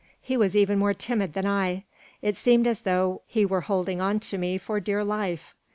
He was even more timid than I. It seemed as though he were holding on to me for dear life.